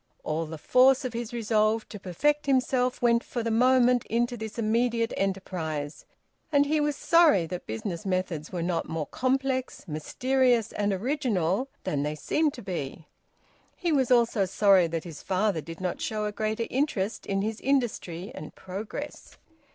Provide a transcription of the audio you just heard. All the force of his resolve to perfect himself went for the moment into this immediate enterprise, and he was sorry that business methods were not more complex, mysterious, and original than they seemed to be: he was also sorry that his father did not show a greater interest in his industry and progress.